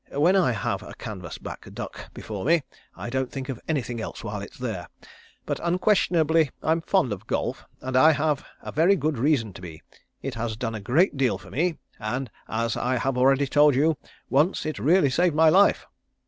When I have a canvasback duck before me I don't think of anything else while it's there. But unquestionably I'm fond of golf, and I have a very good reason to be. It has done a great deal for me, and as I have already told you, once it really saved my life."